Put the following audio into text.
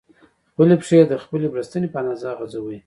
خپلې پښې د خپل بړستن په اندازه غځوئ.